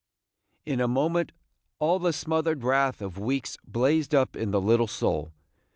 In a moment all the smothered wrath of weeks blazed up in the little soul.